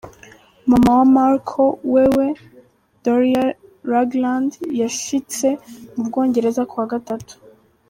Mama wa Markle wewe - Doria Ragland- yashitse mu Bwongereza ku wa gatatu.